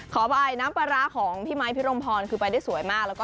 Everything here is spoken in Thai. ขอบายน้ำปลาร้าของพี่ไม้พี่รมพรคือไปได้สวยมาก